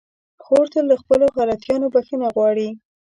خور تل له خپلو غلطيانو بخښنه غواړي.